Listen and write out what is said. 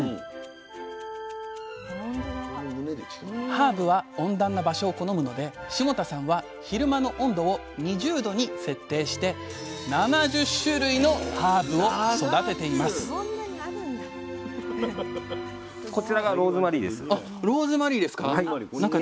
ハーブは温暖な場所を好むので霜多さんは昼間の温度を２０℃に設定して７０種類のハーブを育てていますえっいいんですか？